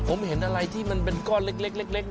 ผมเห็นอะไรที่มันเป็นก้อนเล็ก